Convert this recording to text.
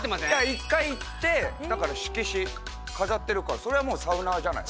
一回行って、だから色紙飾ってるから、それはもうサウナーじゃない。